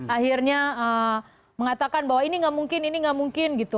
akhirnya mengatakan bahwa ini nggak mungkin ini nggak mungkin gitu